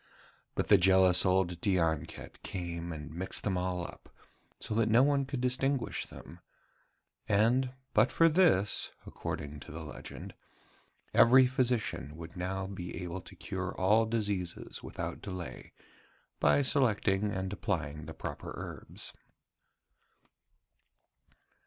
But the jealous old Dianket came and mixed them all up, so that no one could distinguish them: and but for this according to the legend every physician would now be able to cure all diseases without delay, by selecting and applying the proper herbs.